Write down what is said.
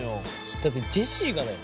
だってジェシーがだよ。